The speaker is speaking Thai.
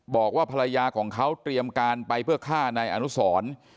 บอกว่าภรรยาของเขาเตรียมการไปเพื่อฆ่านายอนุสร